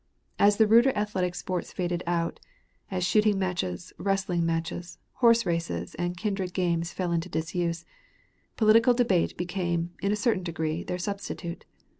As the ruder athletic sports faded out, as shooting matches, wrestling matches, horse races, and kindred games fell into disuse, political debate became, in a certain degree, their substitute.